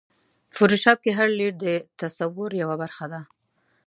فوټوشاپ کې هر لېیر د تصور یوه برخه ده.